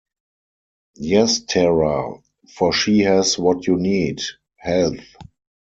Yes, Tara; for she has what you need, — health.